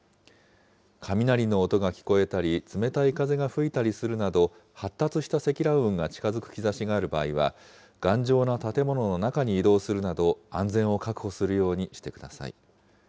雷の音が聞こえたり、冷たい風が吹いたりするなど、発達した積乱雲が近づく兆しがある場合は、頑丈な建物の中に移動するなど、安全を確保するようにしてください。